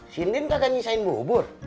sindir gak nyisain bubur